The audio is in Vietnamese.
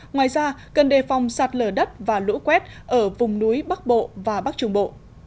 ngoài ra cần đề phòng sạt lở đất và lũ quét ở vùng núi bắc bộ và bắc trung bộ